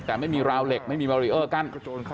แต่ไม่มีราวเหล็กไม่มีบารีเออร์กั้น